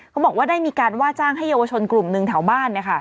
เขาบอกว่าได้มีการว่าจ้างให้เยาวชนกลุ่มหนึ่งแถวบ้าน